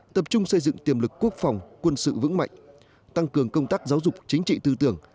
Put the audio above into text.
tập trung xây dựng tiềm lực quốc phòng quân sự vững mạnh tăng cường công tác giáo dục chính trị tư tưởng